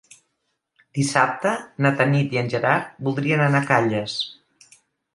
Dissabte na Tanit i en Gerard voldrien anar a Calles.